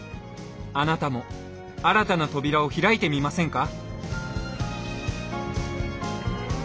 あなたも新たな扉を開いてみませんか？